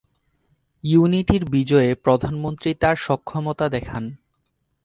ইউনিটি’র বিজয়ে প্রধানমন্ত্রী তার সক্ষমতা দেখান।